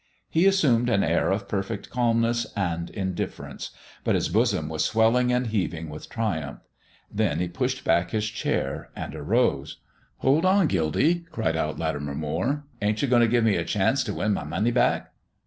He assumed an air of perfect calmness and indifference, but his bosom was swelling and heaving with triumph. Then he pushed back his chair and arose. "Hold on, Gildy!" cried out Latimer Moire. "Ain't you going to give me a chance to win my money back?"